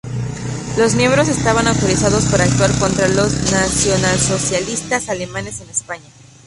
Los miembros estaban autorizados para actuar contra los nacionalsocialistas alemanes en España.